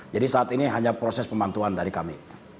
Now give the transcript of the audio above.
jadi saat ini hanya proses pembantuan dari kami